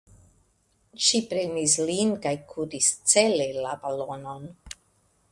Ŝi prenis lin kaj kuris cele la balonon.